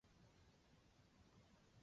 弟弟为作家武野光。